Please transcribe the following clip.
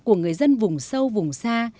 của người dân vùng sâu vùng xa